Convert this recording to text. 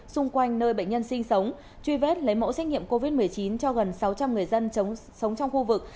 xung quanh nơi bệnh nhân sinh sống truy vết lấy mẫu xét nghiệm covid một mươi chín cho gần sáu trăm linh người dân sống trong khu vực